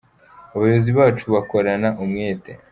Abayobozi bacu bakorana umwete.